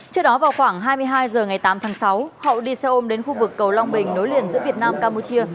trước đó vào khoảng hai mươi hai h ngày tám tháng sáu hậu đi xe ôm đến khu vực cầu long bình nối liền giữa việt nam campuchia